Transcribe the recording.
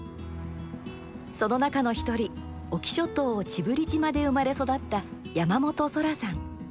その中の１人、隠岐諸島知夫利島で生まれ育った山本想良さん。